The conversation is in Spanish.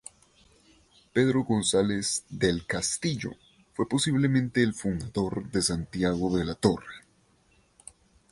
Pedro González del Castillo fue posiblemente el fundador de Santiago de la Torre.